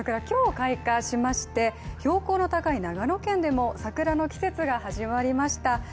今日、開花しまして、標高の高い長野県でも桜の季節が始まりました。